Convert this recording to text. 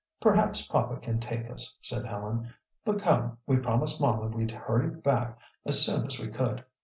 "Perhaps papa can take us," said Helen. "But come, we promised mamma we'd hurry back as soon as we could."